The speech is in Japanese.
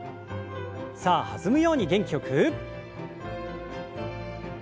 さあ弾むように元気よく。